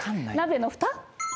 鍋のふた。